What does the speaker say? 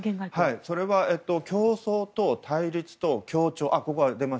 それは、競争と対立と協調